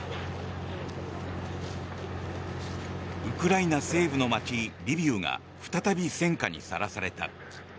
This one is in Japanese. ウクライナ西部の街リビウが再び戦火にさらされた。